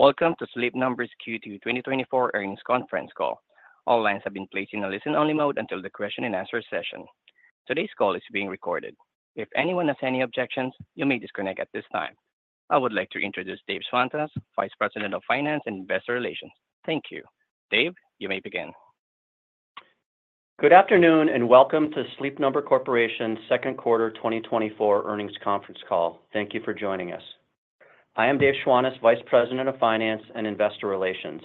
Welcome to Sleep Number's Q2 2024 earnings conference call. All lines have been placed in a listen-only mode until the question-and-answer session. Today's call is being recorded. If anyone has any objections, you may disconnect at this time. I would like to introduce Dave Schwantes, Vice President of Finance and Investor Relations. Thank you. Dave, you may begin. Good afternoon and welcome to Sleep Number Corporation's Second Quarter 2024 earnings conference call. Thank you for joining us. I am Dave Schwantes, Vice President of Finance and Investor Relations.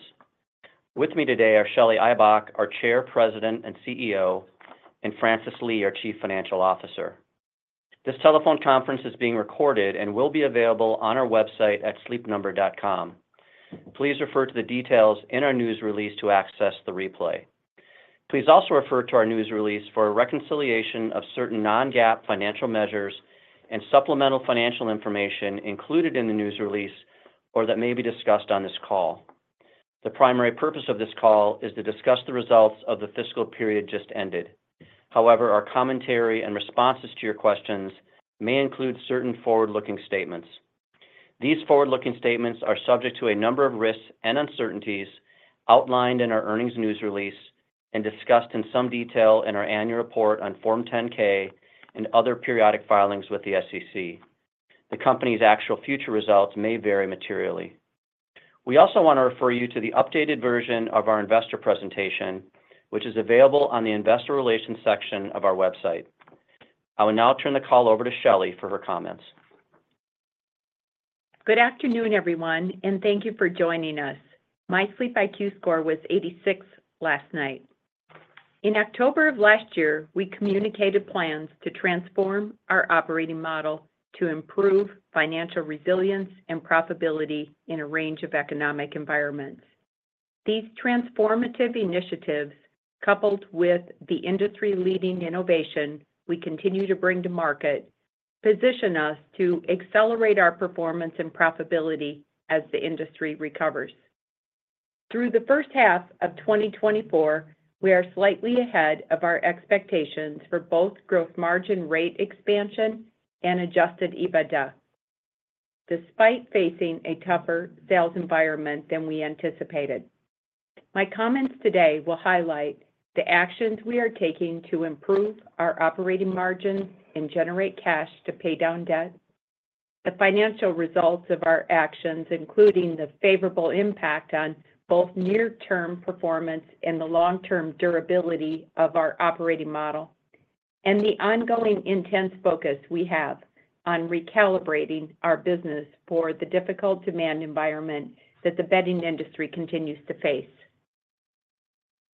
With me today are Shelly Ibach, our Chair, President, and CEO, and Francis Lee, our Chief Financial Officer. This telephone conference is being recorded and will be available on our website at sleepnumber.com. Please refer to the details in our news release to access the replay. Please also refer to our news release for a reconciliation of certain non-GAAP financial measures and supplemental financial information included in the news release or that may be discussed on this call. The primary purpose of this call is to discuss the results of the fiscal period just ended. However, our commentary and responses to your questions may include certain forward-looking statements. These forward-looking statements are subject to a number of risks and uncertainties outlined in our earnings news release and discussed in some detail in our annual report on Form 10-K and other periodic filings with the SEC. The company's actual future results may vary materially. We also want to refer you to the updated version of our investor presentation, which is available on the investor relations section of our website. I will now turn the call over to Shelly for her comments. Good afternoon, everyone, and thank you for joining us. My SleepIQ score was 86 last night. In October of last year, we communicated plans to transform our operating model to improve financial resilience and profitability in a range of economic environments. These transformative initiatives, coupled with the industry-leading innovation we continue to bring to market, position us to accelerate our performance and profitability as the industry recovers. Through the first half of 2024, we are slightly ahead of our expectations for both gross margin rate expansion and Adjusted EBITDA, despite facing a tougher sales environment than we anticipated. My comments today will highlight the actions we are taking to improve our operating margins and generate cash to pay down debt, the financial results of our actions, including the favorable impact on both near-term performance and the long-term durability of our operating model, and the ongoing intense focus we have on recalibrating our business for the difficult demand environment that the bedding industry continues to face.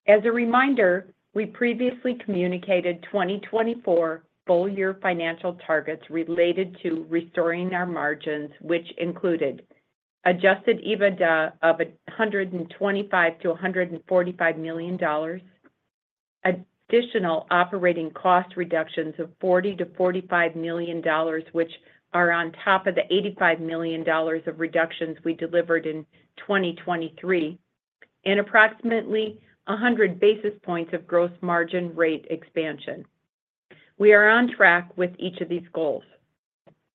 As a reminder, we previously communicated 2024 full-year financial targets related to restoring our margins, which included Adjusted EBITDA of $125 million-$145 million, additional operating cost reductions of $40 million-$45 million, which are on top of the $85 million of reductions we delivered in 2023, and approximately 100 basis points of gross margin rate expansion. We are on track with each of these goals.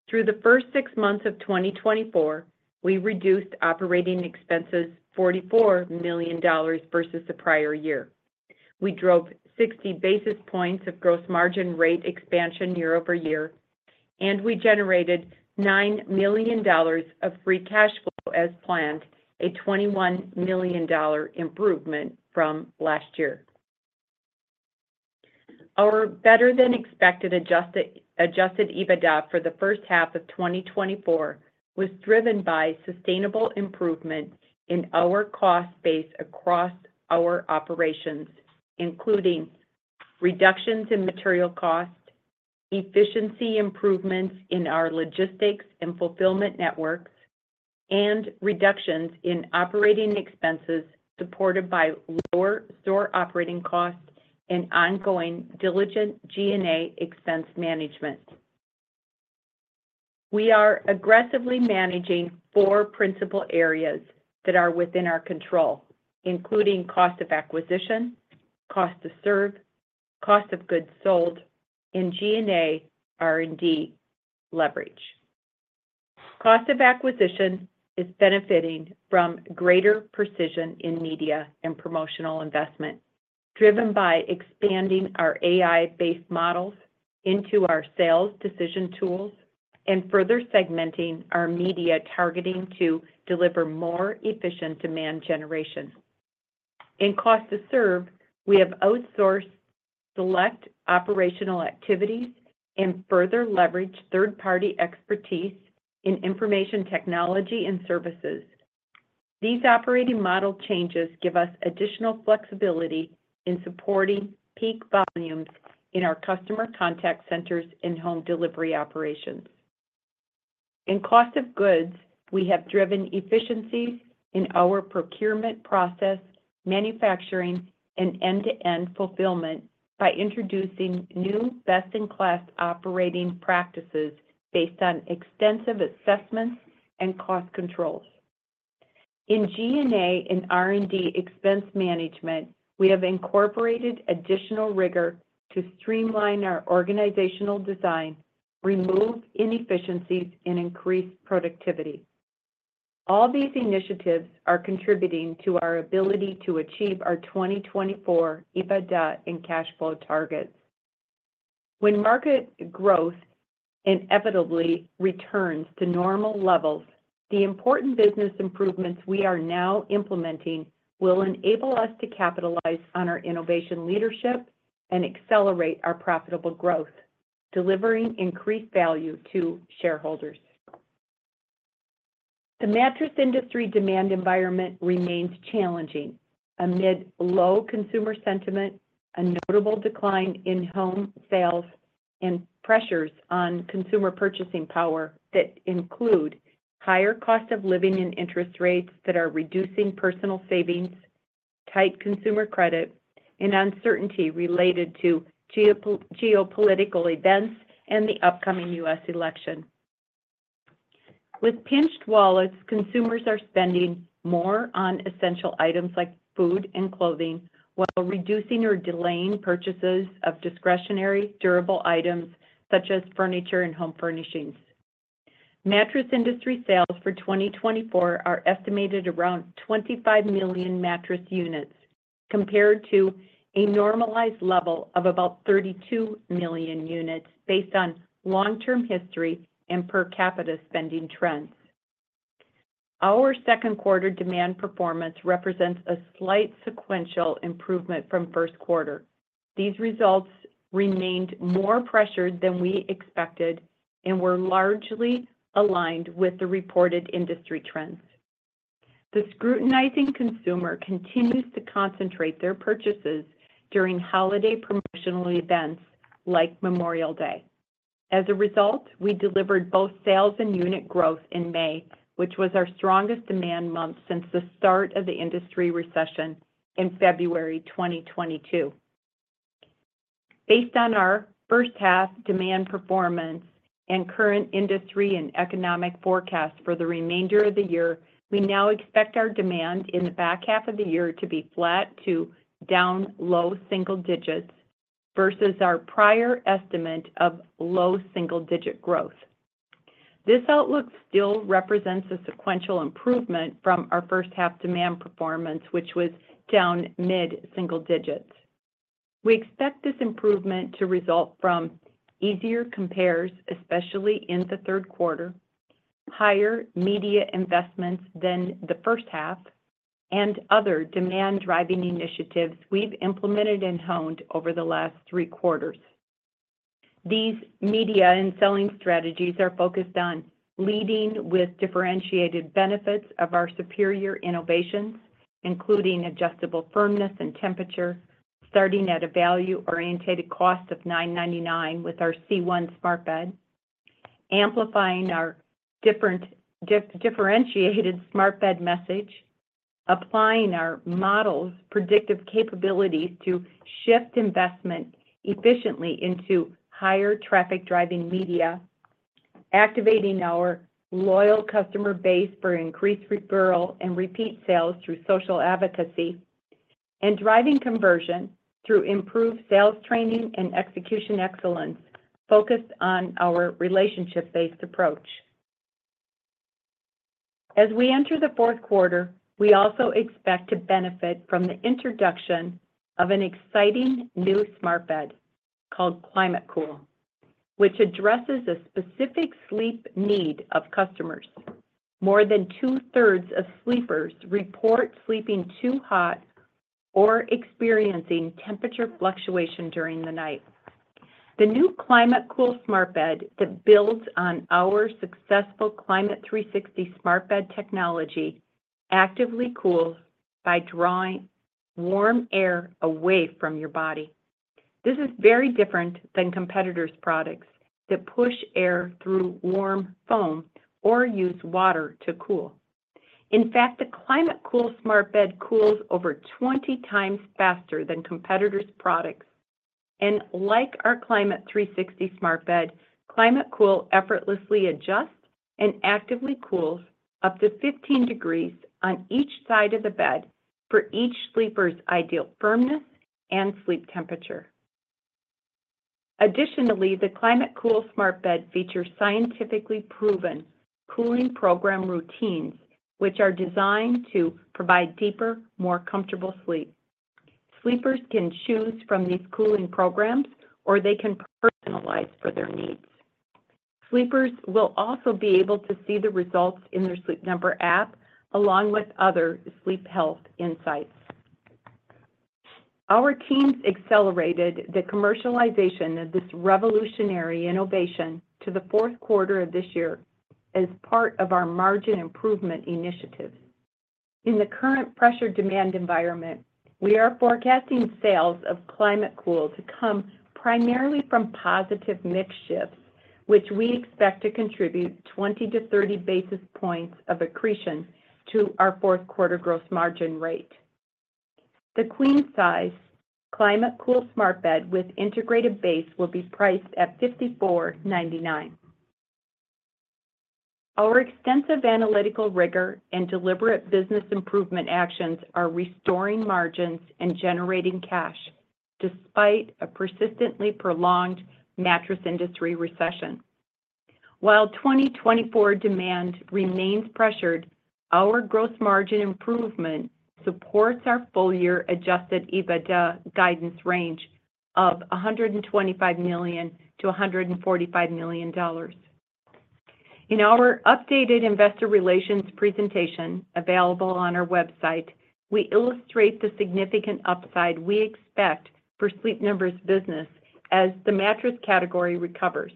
Through the first six months of 2024, we reduced operating expenses $44 million versus the prior year. We drove 60 basis points of gross margin rate expansion year-over-year, and we generated $9 million of free cash flow as planned, a $21 million improvement from last year. Our better-than-expected adjusted EBITDA for the first half of 2024 was driven by sustainable improvement in our cost base across our operations, including reductions in material cost, efficiency improvements in our logistics and fulfillment networks, and reductions in operating expenses supported by lower store operating costs and ongoing diligent G&A expense management. We are aggressively managing four principal areas that are within our control, including cost of acquisition, cost to serve, cost of goods sold, and G&A R&D leverage. Cost of acquisition is benefiting from greater precision in media and promotional investment, driven by expanding our AI-based models into our sales decision tools and further segmenting our media targeting to deliver more efficient demand generation. In cost to serve, we have outsourced select operational activities and further leveraged third-party expertise in information technology and services. These operating model changes give us additional flexibility in supporting peak volumes in our customer contact centers and home delivery operations. In cost of goods, we have driven efficiencies in our procurement process, manufacturing, and end-to-end fulfillment by introducing new best-in-class operating practices based on extensive assessments and cost controls. In G&A and R&D expense management, we have incorporated additional rigor to streamline our organizational design, remove inefficiencies, and increase productivity. All these initiatives are contributing to our ability to achieve our 2024 EBITDA and cash flow targets. When market growth inevitably returns to normal levels, the important business improvements we are now implementing will enable us to capitalize on our innovation leadership and accelerate our profitable growth, delivering increased value to shareholders. The mattress industry demand environment remains challenging amid low consumer sentiment, a notable decline in home sales, and pressures on consumer purchasing power that include higher cost of living and interest rates that are reducing personal savings, tight consumer credit, and uncertainty related to geopolitical events and the upcoming U.S. election. With pinched wallets, consumers are spending more on essential items like food and clothing while reducing or delaying purchases of discretionary durable items such as furniture and home furnishings. Mattress industry sales for 2024 are estimated around 25 million mattress units, compared to a normalized level of about 32 million units based on long-term history and per capita spending trends. Our second quarter demand performance represents a slight sequential improvement from first quarter. These results remained more pressured than we expected and were largely aligned with the reported industry trends. The scrutinizing consumer continues to concentrate their purchases during holiday promotional events like Memorial Day. As a result, we delivered both sales and unit growth in May, which was our strongest demand month since the start of the industry recession in February 2022. Based on our first half demand performance and current industry and economic forecasts for the remainder of the year, we now expect our demand in the back half of the year to be flat to down low single digits versus our prior estimate of low single-digit growth. This outlook still represents a sequential improvement from our first half demand performance, which was down mid-single digits. We expect this improvement to result from easier compares, especially in the third quarter, higher media investments than the first half, and other demand-driving initiatives we've implemented and honed over the last three quarters. These media and selling strategies are focused on leading with differentiated benefits of our superior innovations, including adjustable firmness and temperature, starting at a value-oriented cost of $999 with our c1 smart bed, amplifying our differentiated smart bed message, applying our model's predictive capabilities to shift investment efficiently into higher traffic-driving media, activating our loyal customer base for increased referral and repeat sales through social advocacy, and driving conversion through improved sales training and execution excellence focused on our relationship-based approach. As we enter the fourth quarter, we also expect to benefit from the introduction of an exciting new smart bed called ClimateCool, which addresses a specific sleep need of customers. More than two-thirds of sleepers report sleeping too hot or experiencing temperature fluctuation during the night. The new ClimateCool smart bed that builds on our successful Climate360 smart bed technology actively cools by drawing warm air away from your body. This is very different than competitors' products that push air through warm foam or use water to cool. In fact, the ClimateCool smart bed cools over 20 times faster than competitors' products. And like our Climate360 smart bed, ClimateCool effortlessly adjusts and actively cools up to 15 degrees on each side of the bed for each sleeper's ideal firmness and sleep temperature. Additionally, the ClimateCool smart bed features scientifically proven cooling program routines, which are designed to provide deeper, more comfortable sleep. Sleepers can choose from these cooling programs, or they can personalize for their needs. Sleepers will also be able to see the results in their Sleep Number app along with other sleep health insights. Our teams accelerated the commercialization of this revolutionary innovation to the fourth quarter of this year as part of our margin improvement initiatives. In the current pressure demand environment, we are forecasting sales of ClimateCool to come primarily from positive mix shifts, which we expect to contribute 20-30 basis points of accretion to our fourth quarter gross margin rate. The queen-size ClimateCool smart bed with integrated base will be priced at $54.99. Our extensive analytical rigor and deliberate business improvement actions are restoring margins and generating cash despite a persistently prolonged mattress industry recession. While 2024 demand remains pressured, our gross margin improvement supports our full-year adjusted EBITDA guidance range of $125 million-$145 million. In our updated investor relations presentation available on our website, we illustrate the significant upside we expect for Sleep Number's business as the mattress category recovers.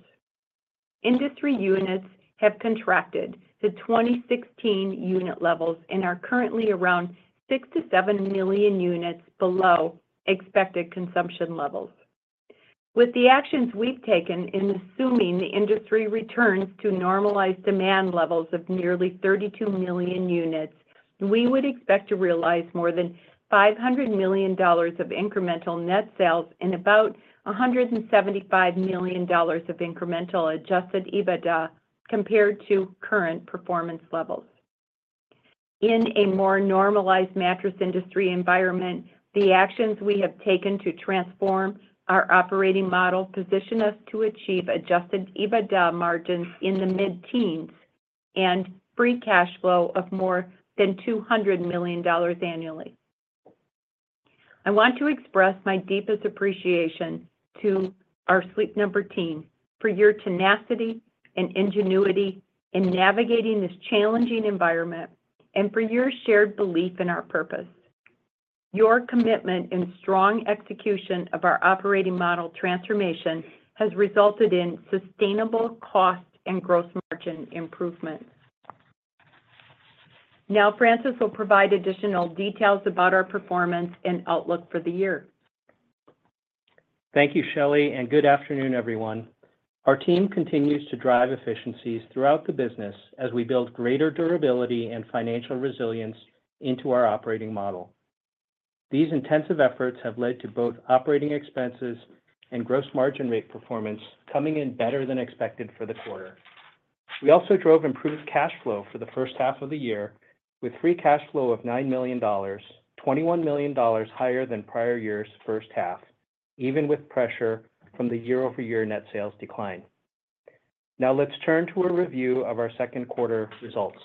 Industry units have contracted to 2016 unit levels and are currently around 6-7 million units below expected consumption levels. With the actions we've taken in assuming the industry returns to normalized demand levels of nearly 32 million units, we would expect to realize more than $500 million of incremental net sales and about $175 million of incremental Adjusted EBITDA compared to current performance levels. In a more normalized mattress industry environment, the actions we have taken to transform our operating model position us to achieve Adjusted EBITDA margins in the mid-teens and free cash flow of more than $200 million annually. I want to express my deepest appreciation to our Sleep Number team for your tenacity and ingenuity in navigating this challenging environment and for your shared belief in our purpose. Your commitment and strong execution of our operating model transformation has resulted in sustainable cost and gross margin improvements. Now, Francis will provide additional details about our performance and outlook for the year. Thank you, Shelly, and good afternoon, everyone. Our team continues to drive efficiencies throughout the business as we build greater durability and financial resilience into our operating model. These intensive efforts have led to both operating expenses and gross margin rate performance coming in better than expected for the quarter. We also drove improved cash flow for the first half of the year with free cash flow of $9 million, $21 million higher than prior year's first half, even with pressure from the year-over-year net sales decline. Now, let's turn to a review of our second quarter results.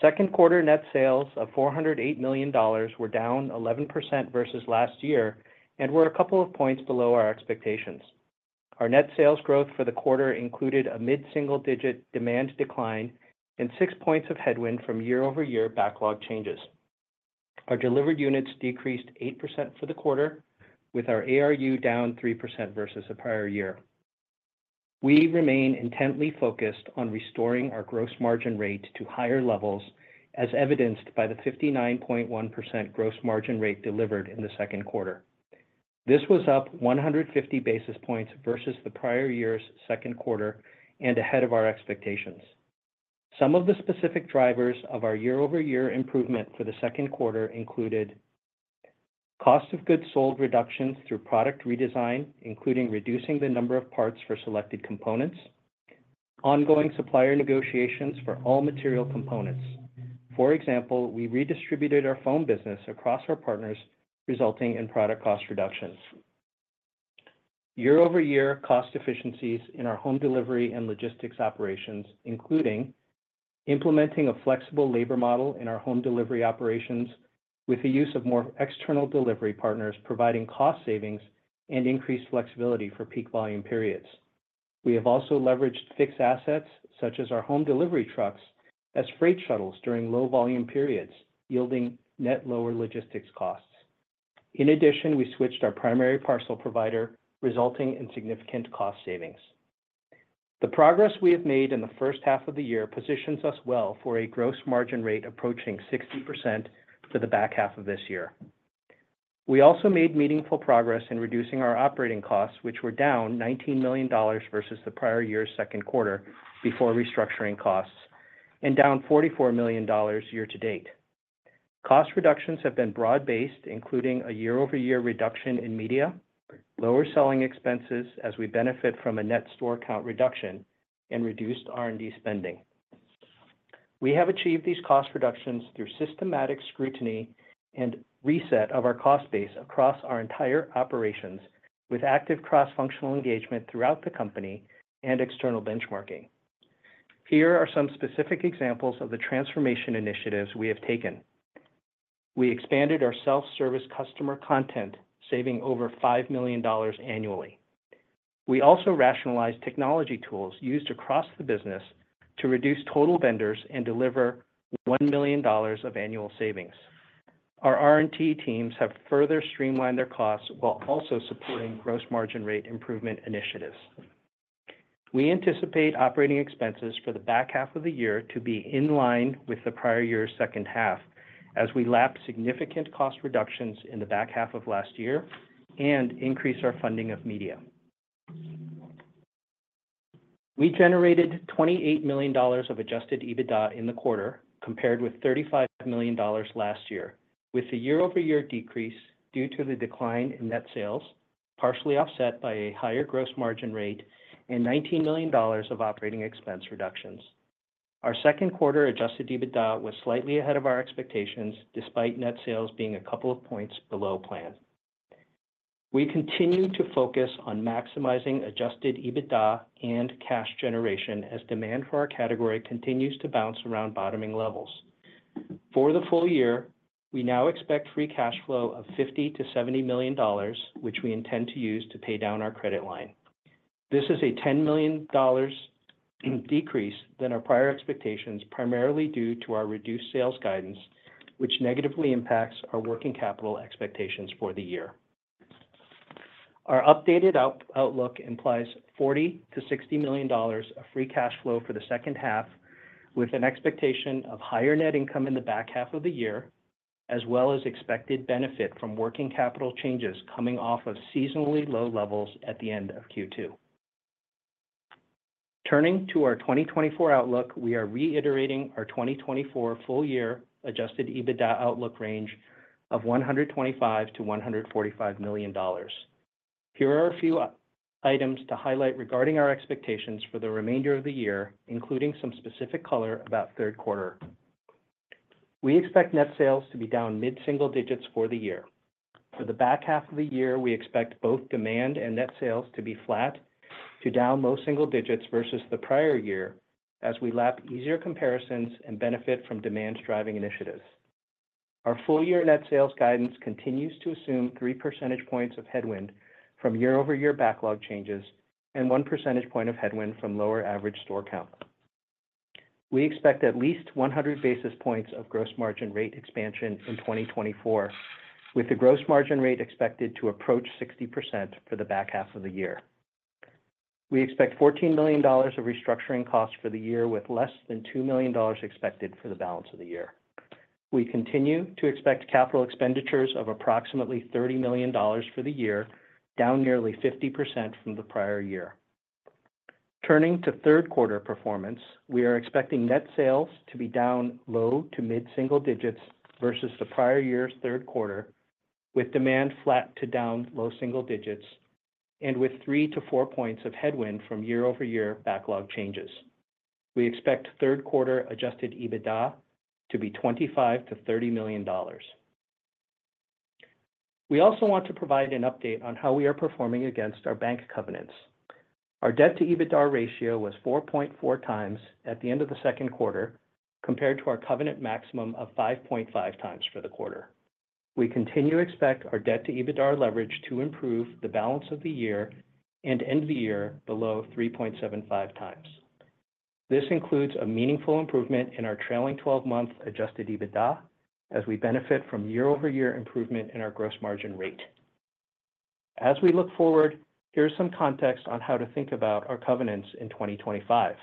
Second quarter net sales of $408 million were down 11% versus last year and were a couple of points below our expectations. Our net sales growth for the quarter included a mid-single digit demand decline and six points of headwind from year-over-year backlog changes. Our delivered units decreased 8% for the quarter, with our ARU down 3% versus a prior year. We remain intently focused on restoring our gross margin rate to higher levels, as evidenced by the 59.1% gross margin rate delivered in the second quarter. This was up 150 basis points versus the prior year's second quarter and ahead of our expectations. Some of the specific drivers of our year-over-year improvement for the second quarter included cost of goods sold reductions through product redesign, including reducing the number of parts for selected components, ongoing supplier negotiations for all material components. For example, we redistributed our foam business across our partners, resulting in product cost reductions. Year-over-year cost efficiencies in our home delivery and logistics operations, including implementing a flexible labor model in our home delivery operations with the use of more external delivery partners, providing cost savings and increased flexibility for peak volume periods. We have also leveraged fixed assets such as our home delivery trucks as freight shuttles during low volume periods, yielding net lower logistics costs. In addition, we switched our primary parcel provider, resulting in significant cost savings. The progress we have made in the first half of the year positions us well for a gross margin rate approaching 60% for the back half of this year. We also made meaningful progress in reducing our operating costs, which were down $19 million versus the prior year's second quarter before restructuring costs, and down $44 million year to date. Cost reductions have been broad-based, including a year-over-year reduction in media, lower selling expenses as we benefit from a net store count reduction, and reduced R&D spending. We have achieved these cost reductions through systematic scrutiny and reset of our cost base across our entire operations with active cross-functional engagement throughout the company and external benchmarking. Here are some specific examples of the transformation initiatives we have taken. We expanded our self-service customer content, saving over $5 million annually. We also rationalized technology tools used across the business to reduce total vendors and deliver $1 million of annual savings. Our R&D teams have further streamlined their costs while also supporting gross margin rate improvement initiatives. We anticipate operating expenses for the back half of the year to be in line with the prior year's second half as we lapse significant cost reductions in the back half of last year and increase our funding of media. We generated $28 million of Adjusted EBITDA in the quarter compared with $35 million last year, with the year-over-year decrease due to the decline in net sales, partially offset by a higher gross margin rate and $19 million of operating expense reductions. Our second quarter Adjusted EBITDA was slightly ahead of our expectations despite net sales being a couple of points below plan. We continue to focus on maximizing Adjusted EBITDA and cash generation as demand for our category continues to bounce around bottoming levels. For the full year, we now expect free cash flow of $50 million-$70 million, which we intend to use to pay down our credit line. This is a $10 million decrease than our prior expectations, primarily due to our reduced sales guidance, which negatively impacts our working capital expectations for the year. Our updated outlook implies $40 million-$60 million of free cash flow for the second half, with an expectation of higher net income in the back half of the year, as well as expected benefit from working capital changes coming off of seasonally low levels at the end of Q2. Turning to our 2024 outlook, we are reiterating our 2024 full-year Adjusted EBITDA outlook range of $125 million-$145 million. Here are a few items to highlight regarding our expectations for the remainder of the year, including some specific color about third quarter. We expect net sales to be down mid-single digits for the year. For the back half of the year, we expect both demand and net sales to be flat to down low single digits versus the prior year as we lap easier comparisons and benefit from demand-driving initiatives. Our full-year net sales guidance continues to assume 3 percentage points of headwind from year-over-year backlog changes and 1 percentage point of headwind from lower average store count. We expect at least 100 basis points of gross margin rate expansion in 2024, with the gross margin rate expected to approach 60% for the back half of the year. We expect $14 million of restructuring costs for the year, with less than $2 million expected for the balance of the year. We continue to expect capital expenditures of approximately $30 million for the year, down nearly 50% from the prior year. Turning to third quarter performance, we are expecting net sales to be down low to mid-single digits versus the prior year's third quarter, with demand flat to down low single digits and with 3-4 points of headwind from year-over-year backlog changes. We expect third quarter adjusted EBITDA to be $25 million-$30 million. We also want to provide an update on how we are performing against our bank covenants. Our debt-to-EBITDA ratio was 4.4 times at the end of the second quarter compared to our covenant maximum of 5.5 times for the quarter. We continue to expect our debt-to-EBITDA leverage to improve the balance of the year and end the year below 3.75 times. This includes a meaningful improvement in our trailing 12-month adjusted EBITDA as we benefit from year-over-year improvement in our gross margin rate. As we look forward, here's some context on how to think about our covenants in 2025.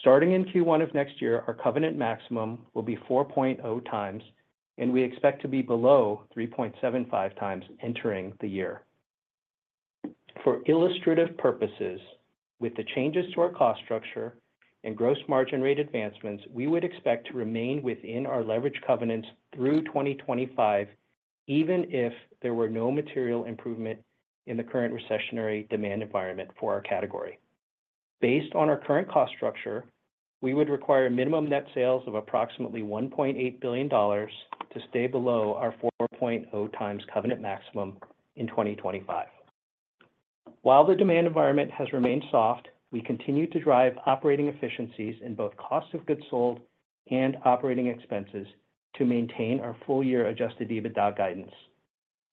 Starting in Q1 of next year, our covenant maximum will be 4.0 times, and we expect to be below 3.75 times entering the year. For illustrative purposes, with the changes to our cost structure and gross margin rate advancements, we would expect to remain within our leverage covenants through 2025, even if there were no material improvement in the current recessionary demand environment for our category. Based on our current cost structure, we would require minimum net sales of approximately $1.8 billion to stay below our 4.0 times covenant maximum in 2025. While the demand environment has remained soft, we continue to drive operating efficiencies in both cost of goods sold and operating expenses to maintain our full-year Adjusted EBITDA guidance.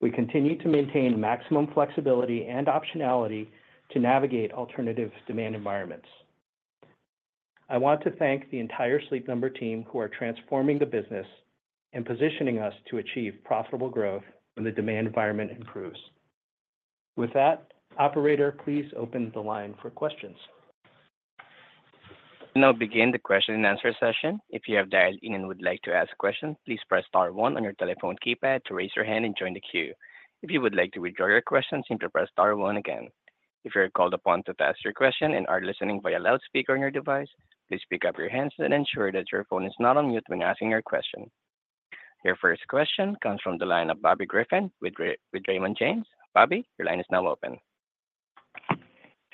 We continue to maintain maximum flexibility and optionality to navigate alternative demand environments. I want to thank the entire Sleep Number team who are transforming the business and positioning us to achieve profitable growth when the demand environment improves. With that, Operator, please open the line for questions. We now begin the question and answer session. If you have dialed in and would like to ask a question, please press star 1 on your telephone keypad to raise your hand and join the queue. If you would like to withdraw your question, simply press star 1 again. If you're called upon to ask your question and are listening via loudspeaker on your device, please pick up your hands and ensure that your phone is not on mute when asking your question. Your first question comes from the line of Bobby Griffin with Raymond James. Bobby, your line is now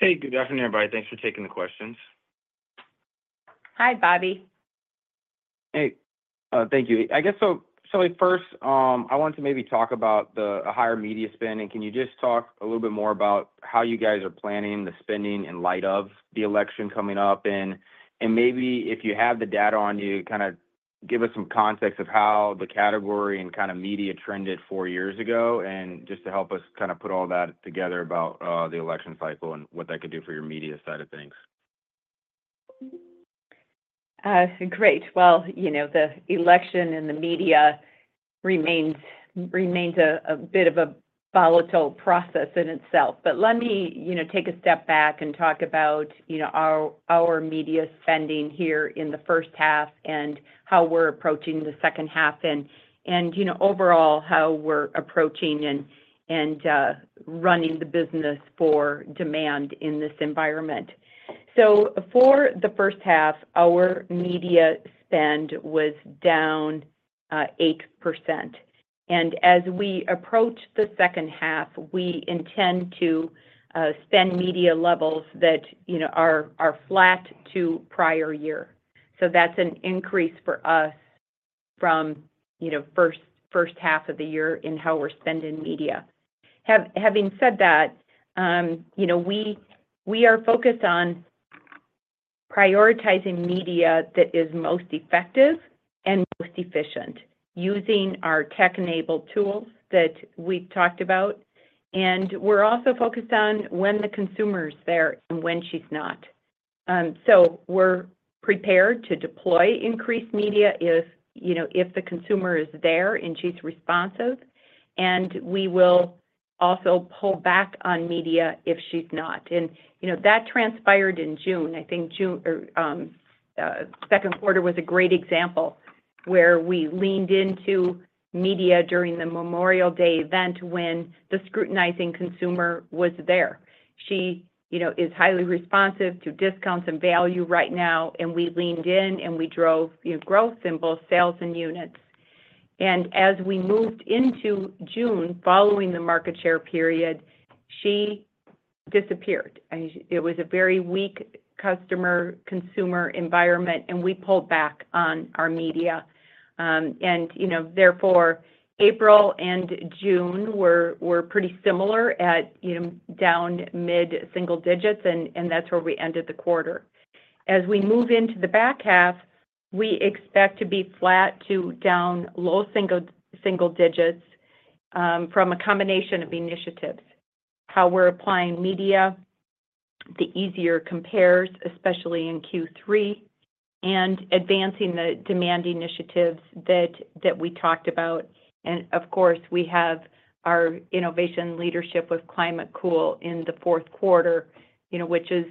open. Hey, good afternoon, everybody. Thanks for taking the questions. Hi, Bobby. Hey. Thank you. I guess, Shelly, first, I wanted to maybe talk about the higher media spending. Can you just talk a little bit more about how you guys are planning the spending in light of the election coming up? And maybe if you have the data on you, kind of give us some context of how the category and kind of media trended four years ago and just to help us kind of put all that together about the election cycle and what that could do for your media side of things. Great. Well, the election and the media remains a bit of a volatile process in itself. But let me take a step back and talk about our media spending here in the first half and how we're approaching the second half and overall how we're approaching and running the business for demand in this environment. So for the first half, our media spend was down 8%. And as we approach the second half, we intend to spend media levels that are flat to prior year. So that's an increase for us from first half of the year in how we're spending media. Having said that, we are focused on prioritizing media that is most effective and most efficient using our tech-enabled tools that we've talked about. And we're also focused on when the consumer's there and when she's not. So we're prepared to deploy increased media if the consumer is there and she's responsive. And we will also pull back on media if she's not. And that transpired in June. I think second quarter was a great example where we leaned into media during the Memorial Day event when the scrutinizing consumer was there. She is highly responsive to discounts and value right now, and we leaned in and we drove growth in both sales and units. As we moved into June following the market share period, she disappeared. It was a very weak customer-consumer environment, and we pulled back on our media. Therefore, April and June were pretty similar at down mid-single digits, and that's where we ended the quarter. As we move into the back half, we expect to be flat to down low single digits from a combination of initiatives, how we're applying media, the easier compares, especially in Q3, and advancing the demand initiatives that we talked about. Of course, we have our innovation leadership with ClimateCool in the fourth quarter, which is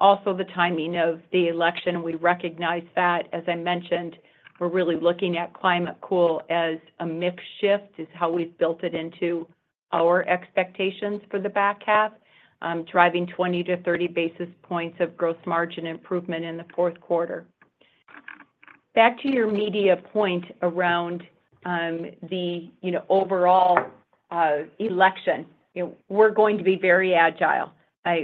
also the timing of the election. We recognize that, as I mentioned, we're really looking at ClimateCool as a mix shift is how we've built it into our expectations for the back half, driving 20-30 basis points of gross margin improvement in the fourth quarter. Back to your media point around the overall election, we're going to be very agile.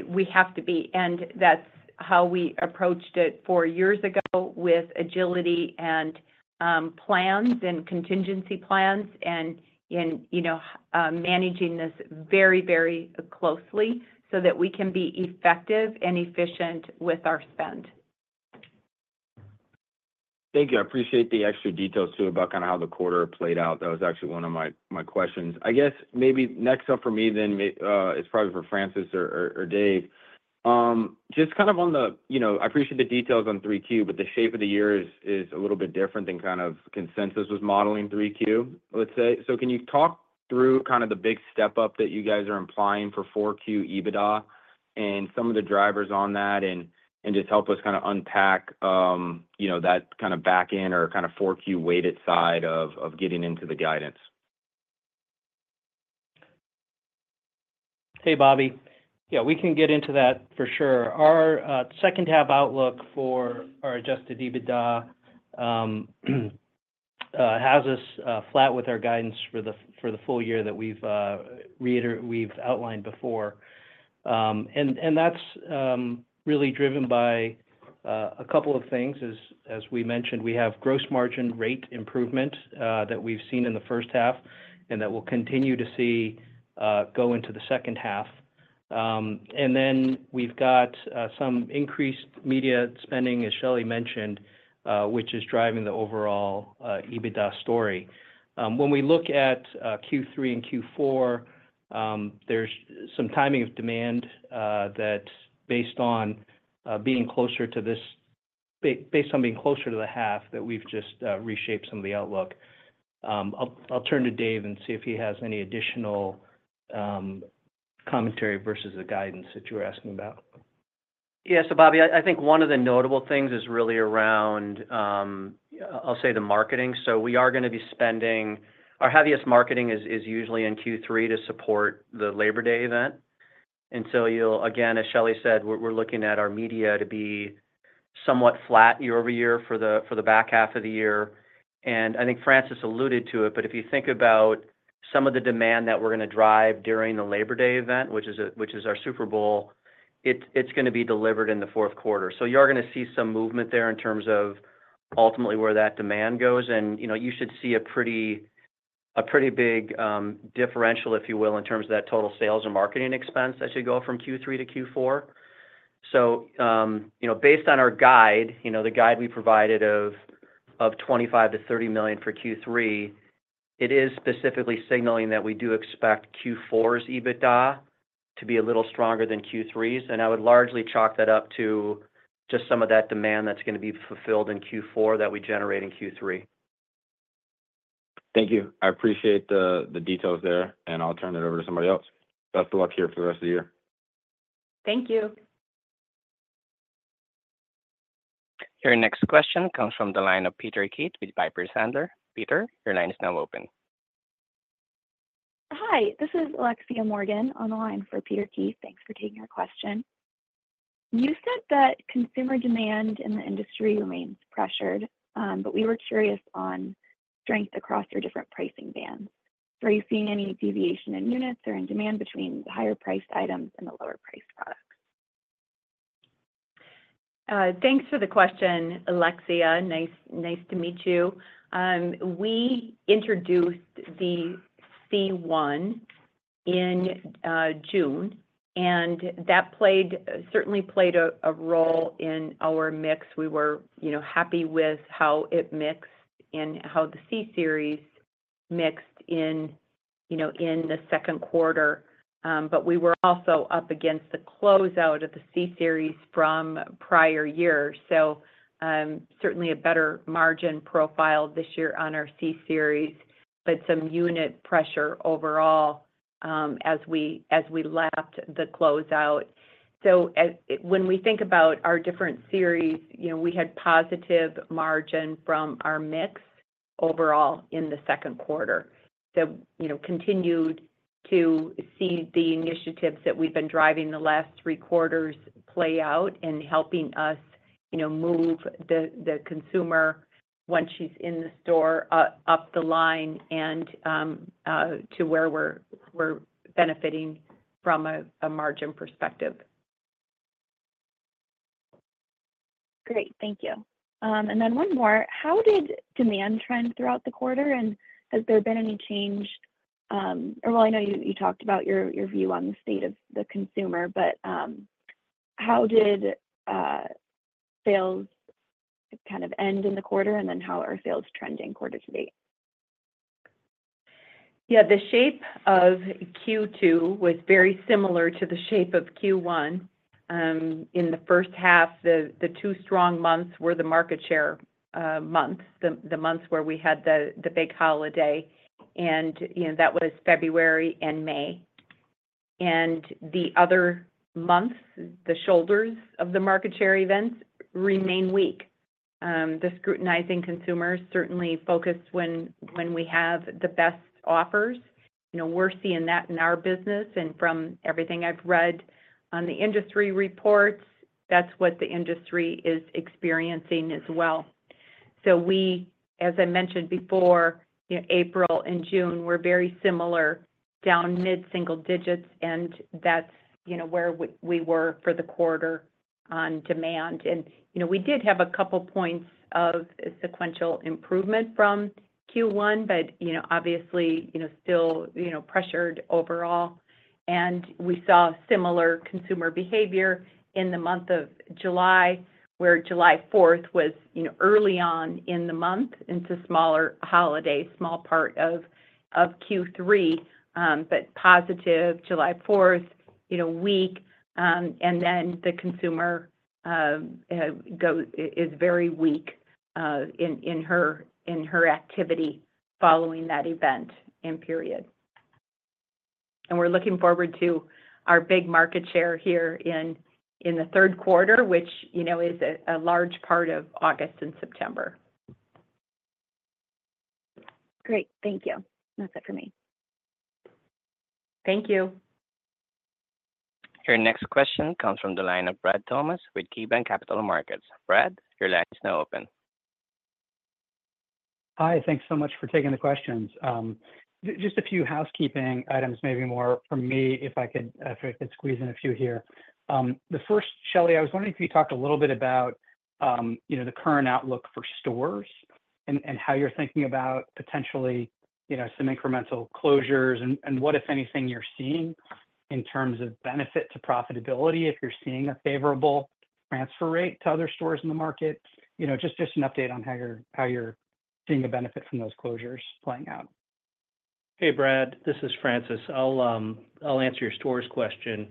We have to be. And that's how we approached it four years ago with agility and plans and contingency plans and managing this very, very closely so that we can be effective and efficient with our spend. Thank you. I appreciate the extra details too about kind of how the quarter played out. That was actually one of my questions. I guess maybe next up for me then is probably for Francis or Dave. Just kind of on the, I appreciate the details on 3Q, but the shape of the year is a little bit different than kind of consensus was modeling 3Q, let's say. So can you talk through kind of the big step up that you guys are implying for 4Q EBITDA and some of the drivers on that and just help us kind of unpack that kind of back end or kind of 4Q weighted side of getting into the guidance? Hey, Bobby. Yeah, we can get into that for sure. Our second-half outlook for our Adjusted EBITDA has us flat with our guidance for the full year that we've outlined before. That's really driven by a couple of things. As we mentioned, we have gross margin rate improvement that we've seen in the first half and that we'll continue to see go into the second half. And then we've got some increased media spending, as Shelly mentioned, which is driving the overall EBITDA story. When we look at Q3 and Q4, there's some timing of demand that's based on being closer to the half that we've just reshaped some of the outlook. I'll turn to Dave and see if he has any additional commentary versus the guidance that you were asking about. Yeah. So, Bobby, I think one of the notable things is really around, I'll say, the marketing. So we are going to be spending our heaviest marketing is usually in Q3 to support the Labor Day event. And so again, as Shelly said, we're looking at our media to be somewhat flat year-over-year for the back half of the year. I think Francis alluded to it, but if you think about some of the demand that we're going to drive during the Labor Day event, which is our Super Bowl, it's going to be delivered in the fourth quarter. You're going to see some movement there in terms of ultimately where that demand goes. You should see a pretty big differential, if you will, in terms of that total sales and marketing expense as you go from Q3 to Q4. Based on our guide, the guide we provided of $25 million-$30 million for Q3, it is specifically signaling that we do expect Q4's EBITDA to be a little stronger than Q3's. I would largely chalk that up to just some of that demand that's going to be fulfilled in Q4 that we generate in Q3. Thank you. I appreciate the details there, and I'll turn it over to somebody else. Best of luck here for the rest of the year. Thank you. Your next question comes from the line of Peter Keith with Piper Sandler. Peter, your line is now open. Hi. This is Alexia Morgan on the line for Peter Keith. Thanks for taking our question. You said that consumer demand in the industry remains pressured, but we were curious on strength across your different pricing bands. Are you seeing any deviation in units or in demand between the higher-priced items and the lower-priced products? Thanks for the question, Alexia. Nice to meet you. We introduced the c1 in June, and that certainly played a role in our mix. We were happy with how it mixed and how the C series mixed in the second quarter. But we were also up against the closeout of the C series from prior years. So certainly a better margin profile this year on our C series, but some unit pressure overall as we left the closeout. So when we think about our different series, we had positive margin from our mix overall in the second quarter. So continued to see the initiatives that we've been driving the last three quarters play out and helping us move the consumer once she's in the store up the line and to where we're benefiting from a margin perspective. Great. Thank you. And then one more. How did demand trend throughout the quarter? And has there been any change? Or well, I know you talked about your view on the state of the consumer, but how did sales kind of end in the quarter? And then how are sales trending quarter to date? Yeah. The shape of Q2 was very similar to the shape of Q1. In the first half, the two strong months were the market share months, the months where we had the big holiday. And that was February and May. And the other months, the shoulders of the market share events remain weak. The scrutinizing consumers certainly focus when we have the best offers. We're seeing that in our business. And from everything I've read on the industry reports, that's what the industry is experiencing as well. So we, as I mentioned before, April and June were very similar down mid-single digits, and that's where we were for the quarter on demand. And we did have a couple points of sequential improvement from Q1, but obviously still pressured overall. We saw similar consumer behavior in the month of July, where July 4th was early on in the month into smaller holiday, small part of Q3, but positive July 4th, weak. And then the consumer is very weak in her activity following that event and period. And we're looking forward to our big market share here in the third quarter, which is a large part of August and September. Great. Thank you. That's it for me. Thank you. Your next question comes from the line of Brad Thomas with KeyBanc Capital Markets. Brad, your line is now open. Hi. Thanks so much for taking the questions. Just a few housekeeping items, maybe more for me if I could squeeze in a few here. The first, Shelly, I was wondering if you could talk a little bit about the current outlook for stores and how you're thinking about potentially some incremental closures and what, if anything, you're seeing in terms of benefit to profitability if you're seeing a favorable transfer rate to other stores in the market. Just an update on how you're seeing the benefit from those closures playing out. Hey, Brad. This is Francis. I'll answer your stores question.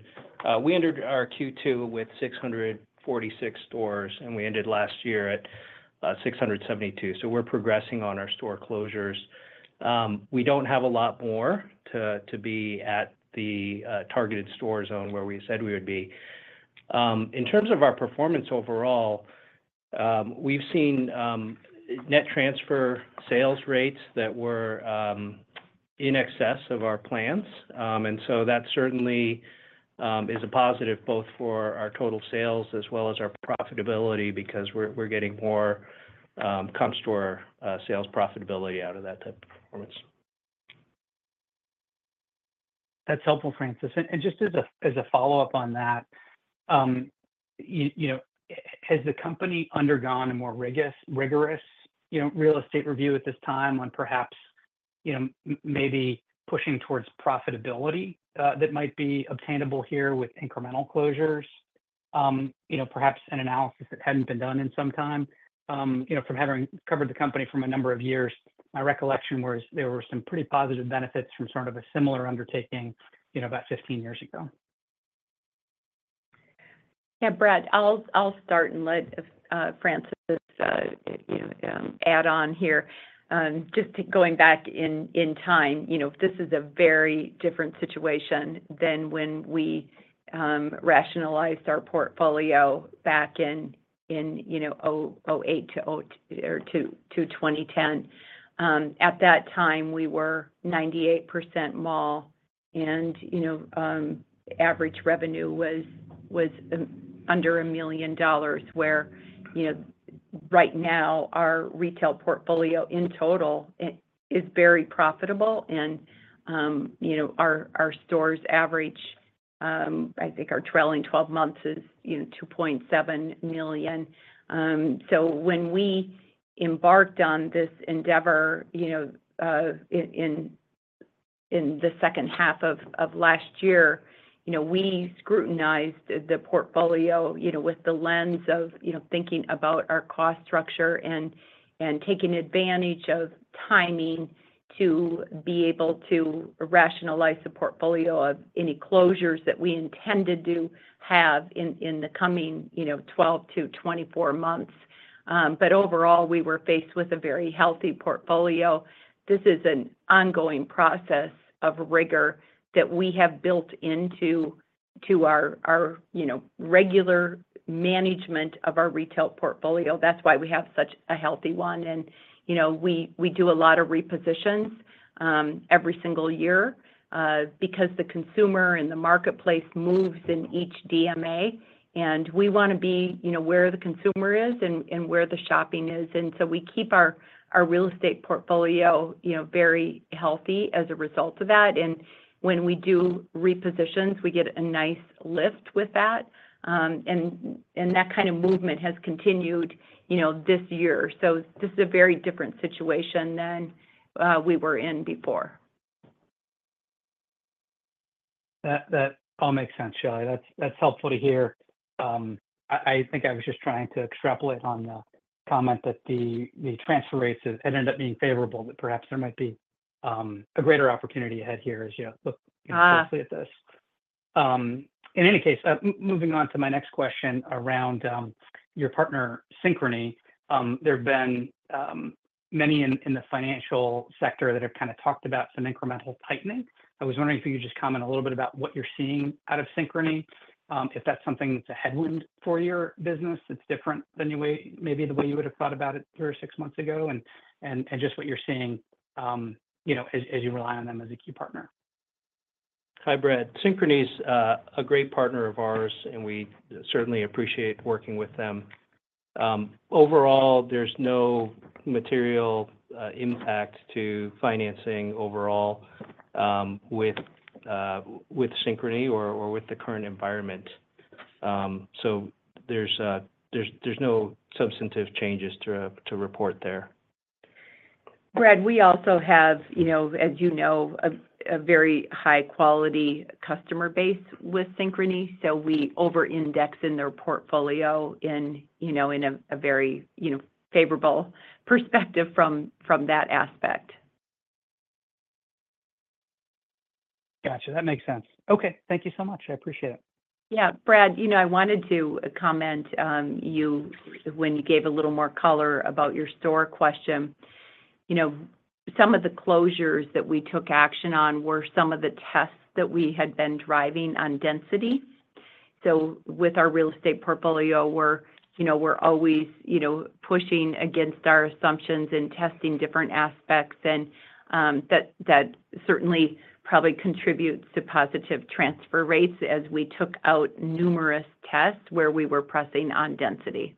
We entered our Q2 with 646 stores, and we ended last year at 672. So we're progressing on our store closures. We don't have a lot more to be at the targeted store zone where we said we would be. In terms of our performance overall, we've seen net transfer sales rates that were in excess of our plans. And so that certainly is a positive both for our total sales as well as our profitability because we're getting more comp store sales profitability out of that type of performance. That's helpful, Francis. And just as a follow-up on that, has the company undergone a more rigorous real estate review at this time on perhaps maybe pushing towards profitability that might be obtainable here with incremental closures, perhaps an analysis that hadn't been done in some time? From having covered the company for a number of years, my recollection was there were some pretty positive benefits from sort of a similar undertaking about 15 years ago. Yeah, Brad, I'll start and let Francis add on here. Just going back in time, this is a very different situation than when we rationalized our portfolio back in 2008 to 2010. At that time, we were 98% mall, and average revenue was under $1 million, where right now our retail portfolio in total is very profitable. Our stores average, I think, $2.7 million in our trailing 12 months. So when we embarked on this endeavor in the second half of last year, we scrutinized the portfolio with the lens of thinking about our cost structure and taking advantage of timing to be able to rationalize the portfolio of any closures that we intended to have in the coming 12-24 months. But overall, we were faced with a very healthy portfolio. This is an ongoing process of rigor that we have built into our regular management of our retail portfolio. That's why we have such a healthy one. We do a lot of repositions every single year because the consumer and the marketplace moves in each DMA. We want to be where the consumer is and where the shopping is. So we keep our real estate portfolio very healthy as a result of that. When we do repositions, we get a nice lift with that. That kind of movement has continued this year. This is a very different situation than we were in before. That all makes sense, Shelly. That's helpful to hear. I think I was just trying to extrapolate on the comment that the transfer rates had ended up being favorable, that perhaps there might be a greater opportunity ahead here as you look closely at this. In any case, moving on to my next question around your partner, Synchrony, there have been many in the financial sector that have kind of talked about some incremental tightening. I was wondering if you could just comment a little bit about what you're seeing out of Synchrony, if that's something that's a headwind for your business that's different than maybe the way you would have thought about it three or six months ago, and just what you're seeing as you rely on them as a key partner. Hi, Brad. Synchrony is a great partner of ours, and we certainly appreciate working with them. Overall, there's no material impact to financing overall with Synchrony or with the current environment. So there's no substantive changes to report there. Brad, we also have, as you know, a very high-quality customer base with Synchrony. So we over-index in their portfolio in a very favorable perspective from that aspect. Gotcha. That makes sense. Okay. Thank you so much. I appreciate it. Yeah. Brad, I wanted to comment when you gave a little more color about your store question. Some of the closures that we took action on were some of the tests that we had been driving on density. So with our real estate portfolio, we're always pushing against our assumptions and testing different aspects. And that certainly probably contributes to positive transfer rates as we took out numerous tests where we were pressing on density.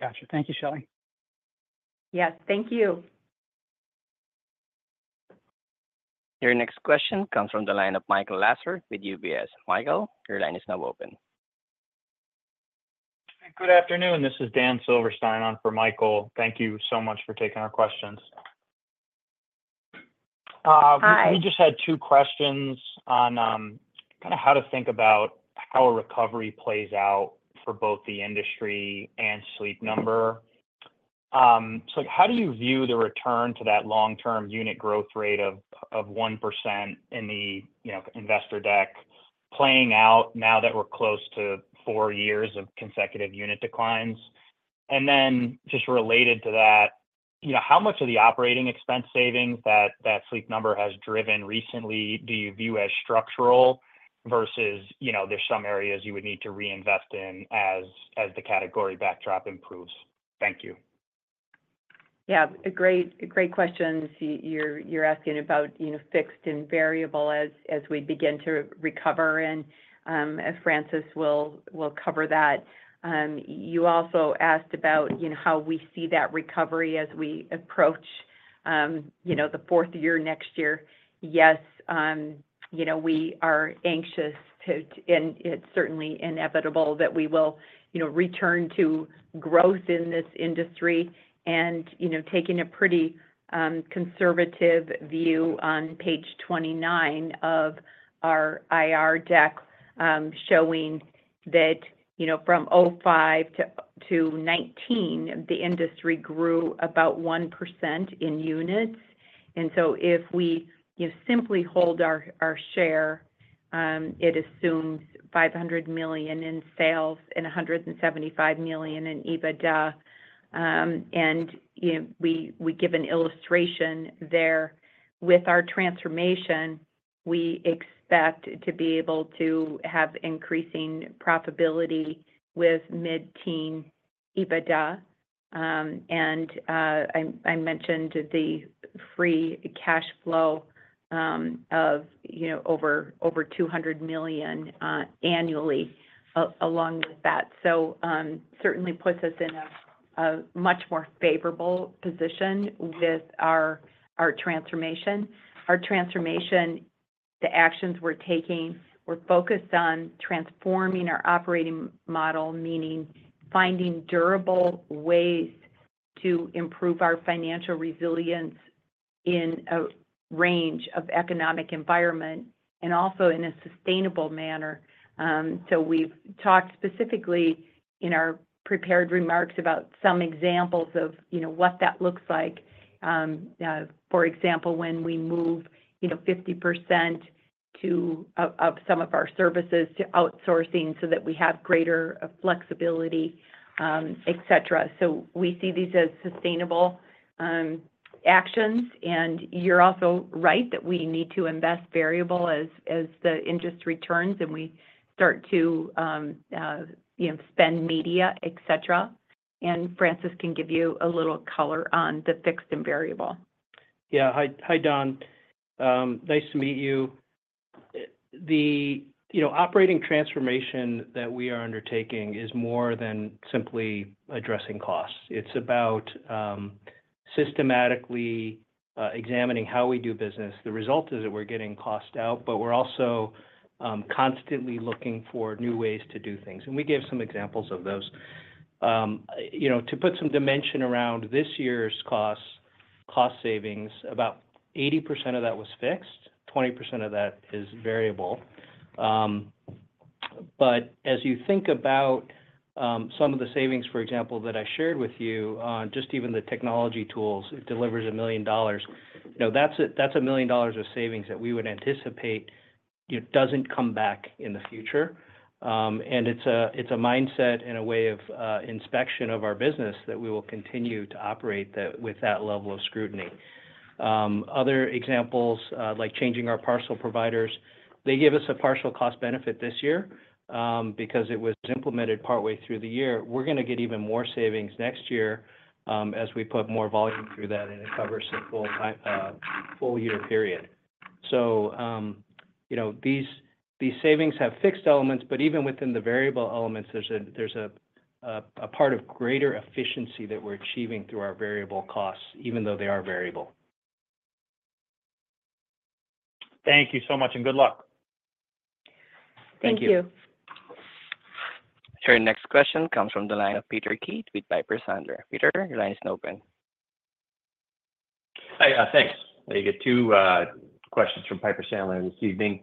Gotcha. Thank you, Shelly. Yes. Thank you. `Your next question comes from the line of Michael Lassar with UBS. Michael, your line is now open. Good afternoon. This is Dan Silverstein on for Michael. Thank you so much for taking our questions. We just had two questions on kind of how to think about how a recovery plays out for both the industry and Sleep Number. So how do you view the return to that long-term unit growth rate of 1% in the investor deck playing out now that we're close to four years of consecutive unit declines? And then just related to that, how much of the operating expense savings that Sleep Number has driven recently do you view as structural versus there's some areas you would need to reinvest in as the category backdrop improves? Thank you. Yeah. Great questions. You're asking about fixed and variable as we begin to recover. And Francis will cover that. You also asked about how we see that recovery as we approach the fourth year next year. Yes, we are anxious, and it's certainly inevitable that we will return to growth in this industry. Taking a pretty conservative view on page 29 of our IR deck showing that from 2005 to 2019, the industry grew about 1% in units. And so if we simply hold our share, it assumes $500 million in sales and $175 million in EBITDA. And we give an illustration there. With our transformation, we expect to be able to have increasing profitability with mid-teen EBITDA. And I mentioned the free cash flow of over $200 million annually along with that. So certainly puts us in a much more favorable position with our transformation. Our transformation, the actions we're taking, we're focused on transforming our operating model, meaning finding durable ways to improve our financial resilience in a range of economic environments and also in a sustainable manner. So we've talked specifically in our prepared remarks about some examples of what that looks like. For example, when we move 50% of some of our services to outsourcing so that we have greater flexibility, etc. So we see these as sustainable actions. And you're also right that we need to invest variable as the industry turns and we start to spend media, etc. And Francis can give you a little color on the fixed and variable. Yeah. Hi, Dan. Nice to meet you. The operating transformation that we are undertaking is more than simply addressing costs. It's about systematically examining how we do business. The result is that we're getting cost out, but we're also constantly looking for new ways to do things. And we gave some examples of those. To put some dimension around this year's cost savings, about 80% of that was fixed. 20% of that is variable. As you think about some of the savings, for example, that I shared with you, just even the technology tools, it delivers $1 million. That's $1 million of savings that we would anticipate doesn't come back in the future. It's a mindset and a way of inspection of our business that we will continue to operate with that level of scrutiny. Other examples, like changing our parcel providers, they give us a partial cost benefit this year because it was implemented partway through the year. We're going to get even more savings next year as we put more volume through that and it covers a full year period. These savings have fixed elements, but even within the variable elements, there's a part of greater efficiency that we're achieving through our variable costs, even though they are variable. Thank you so much and good luck. Thank you. Thank you. Your next question comes from the line of Peter Keith with Piper Sandler. Peter, your line is now open. Hi. Thanks. I get two questions from Piper Sandler this evening.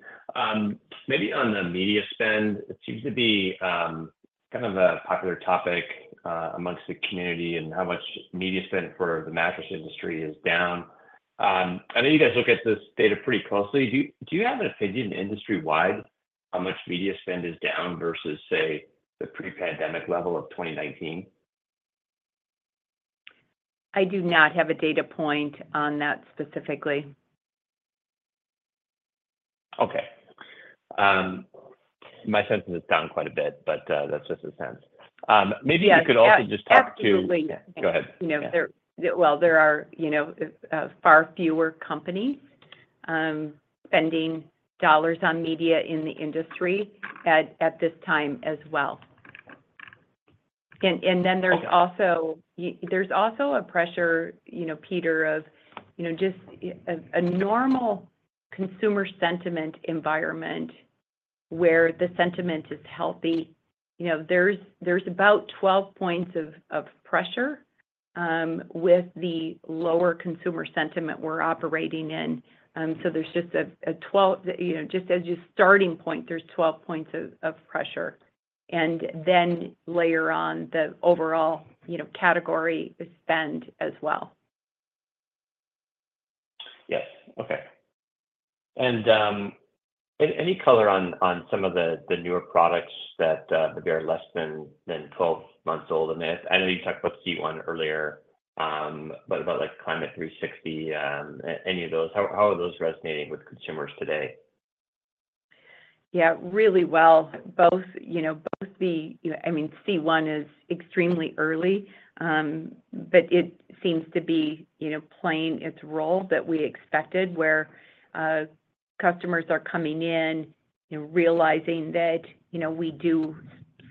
Maybe on the media spend, it seems to be kind of a popular topic among the community and how much media spend for the mattress industry is down. I know you guys look at this data pretty closely. Do you have an opinion industry-wide how much media spend is down versus, say, the pre-pandemic level of 2019? I do not have a data point on that specifically. Okay. My sense is it's down quite a bit, but that's just a sense. Maybe you could also just talk to. Absolutely. Go ahead. Well, there are far fewer companies spending dollars on media in the industry at this time as well. And then there's also a pressure, Peter, of just a normal consumer sentiment environment where the sentiment is healthy. There's about 12 points of pressure with the lower consumer sentiment we're operating in. So there's just a 12 just as your starting point, there's 12 points of pressure. And then layer on the overall category spend as well. Yes. Okay. And any color on some of the newer products that are less than 12 months old? I know you talked about c1 earlier, but about Climate360, any of those, how are those resonating with consumers today? Yeah, really well. Both the I mean, c1 is extremely early, but it seems to be playing its role that we expected where customers are coming in realizing that we do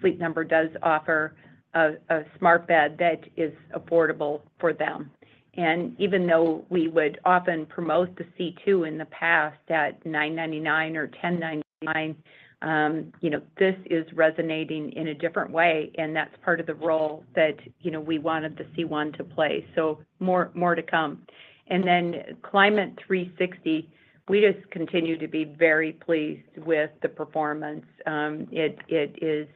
Sleep Number does offer a smart bed that is affordable for them. Even though we would often promote the c2 in the past at $999 or $1,099, this is resonating in a different way. That's part of the role that we wanted the c1 to play. So more to come. Then Climate360, we just continue to be very pleased with the performance. It is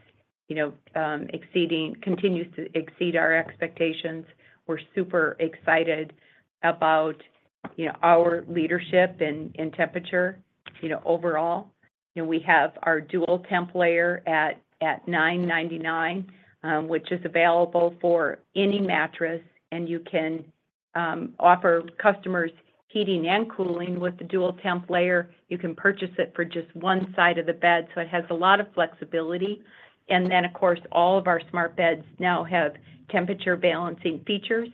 exceeding, continues to exceed our expectations. We're super excited about our leadership in temperature overall. We have our DualTemp layer at $999, which is available for any mattress. You can offer customers heating and cooling with the DualTemp layer. You can purchase it for just one side of the bed. So it has a lot of flexibility. Then, of course, all of our smart beds now have temperature balancing features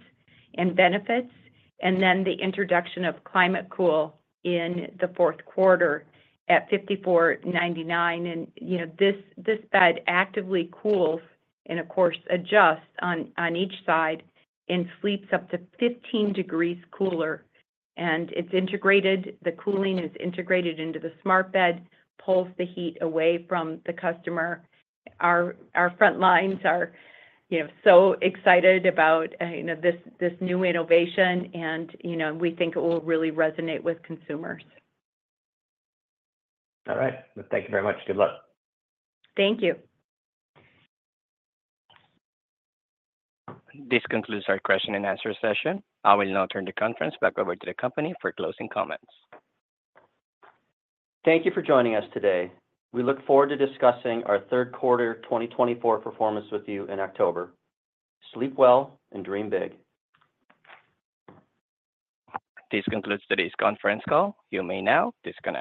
and benefits. Then the introduction of ClimateCool in the fourth quarter at $54.99. This bed actively cools and, of course, adjusts on each side and sleeps up to 15 degrees cooler. It's integrated. The cooling is integrated into the smart bed, pulls the heat away from the customer. Our front lines are so excited about this new innovation. We think it will really resonate with consumers. All right. Thank you very much. Good luck. Thank you. This concludes our question and answer session. I will now turn the conference back over to the company for closing comments. Thank you for joining us today. We look forward to discussing our third quarter 2024 performance with you in October. Sleep well and dream big. This concludes today's conference call. You may now disconnect.